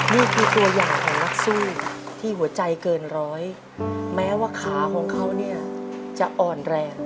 นี่คือตัวอย่างของนักสู้ที่หัวใจเกินร้อยแม้ว่าขาของเขาเนี่ยจะอ่อนแรง